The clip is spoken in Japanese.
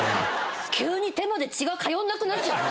急に手まで血が通わなくなっちゃった。